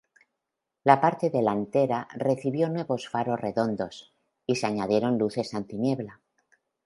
La parte delantera recibió nuevos faros redondos, y se añadieron luces anti-niebla.